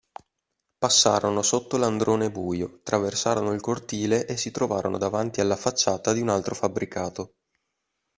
Passarono sotto l'androne buio, traversarono il cortile e si trovarono davanti alla facciata di un altro fabbricato.